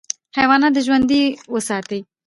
حیوانات ژوندي وساتې.